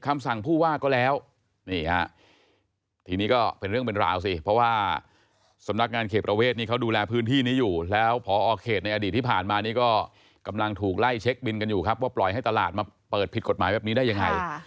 ไม่อยากนึกถึงเลย